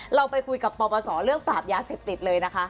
เราไปคุยกับปปศเรื่องปราบยาเสพติดเลยนะคะ